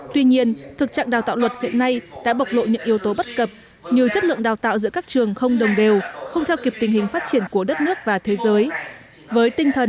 tuy nhiên thực trạng đào tạo luật hiện nay đã bộc lộ những yếu tố bất cập như chất lượng đào tạo giữa các trường không đồng đều không theo kịp tình hình phát triển của đất nước và thế giới